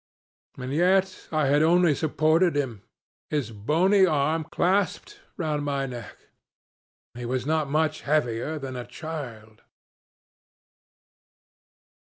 And yet I had only supported him, his bony arm clasped round my neck and he was not much heavier than a child.